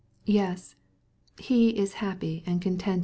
"Yes, he is happy and content!"